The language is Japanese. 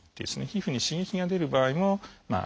皮膚に刺激が出る場合もありますね。